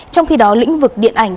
trong khi đó lĩnh vực điện ảnh